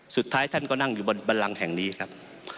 สุดท้ายท่านก็นั่งอยู่บนบันลังแห่งนี้ครับ